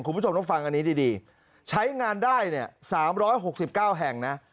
คุณผู้ชมต้องฟังอันนี้ดีใช้งานได้เนี่ย๓๖๙แห่งนะ